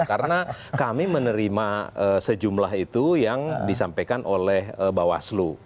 karena kami menerima sejumlah itu yang disampaikan oleh bawah aslo